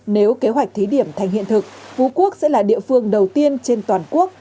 nếu kế hoạch thí điểm thành hiện thực phú quốc sẽ là địa phương đầu tiên trên toàn quốc